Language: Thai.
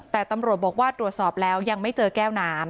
แต่ตำรวจบอกว่าตรวจสอบแล้วยังไม่เจอแก้วน้ำ